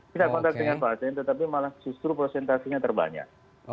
tidak kontak dengan pasien tetapi malah justru prosentasenya terbanyak